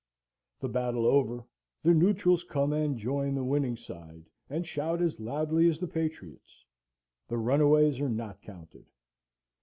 The battle over, the neutrals come and join the winning side, and shout as loudly as the patriots. The runaways are not counted.